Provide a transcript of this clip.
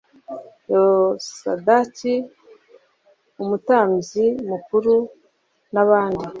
Yehosadaki umutambyi mukuru n abandi